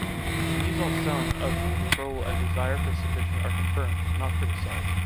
The mise-en-scene of control and desire for submission are confirmed, not criticized.